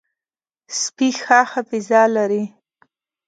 سپي ښه حافظه لري.